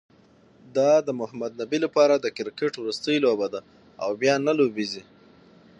دا د محمد نبي لپاره د کرکټ وروستۍ لوبه ده، او بیا نه لوبیږي